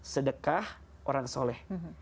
sedekah orang soleh